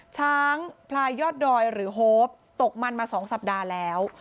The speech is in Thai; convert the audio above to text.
ช้างพลายยอดดอยหรือโฮปตกมันมา๒สัปดาห์แล้ว